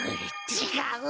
ちがう！